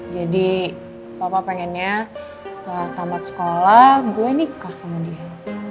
jadi papa pengennya setelah tamat sekolah gue nikah sama dia